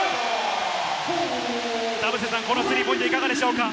田臥さん、このスリーポイントいかがですか？